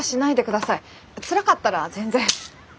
つらかったら全然。